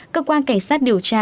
cơ quan cảnh sát điều tra